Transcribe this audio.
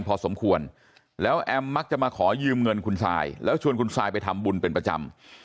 พอสมควรแล้วแอมมักจะมาขอยืมเงินคุณซายแล้วชวนคุณซายไปทำบุญเป็นประจำ